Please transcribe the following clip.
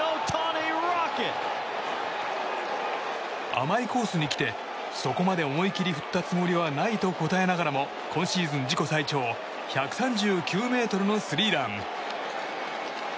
甘いコースにきてそこまで思い切り振ったつもりはないと答えながらも今シーズン自己最長１３９ｍのスリーラン。